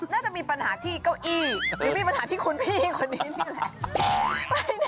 น่าจะมีปัญหาที่เก้าอี้หรือมีปัญหาที่คุณพี่คนนี้นี่แหละ